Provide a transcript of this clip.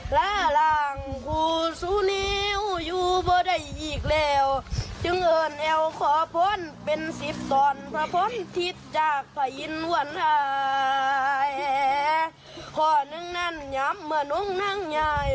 จากวัดตะวันเกียร์รอยก็พร้อมกับรอยสนสุดท้าย